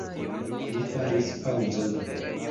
Li faris paŭzon.